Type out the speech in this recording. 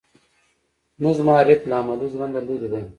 زموږ معارف له عملي ژونده لرې دی.